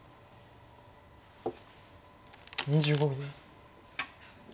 ２５秒。